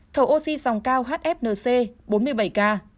thở oxy dòng cao hfnc bốn mươi bảy ca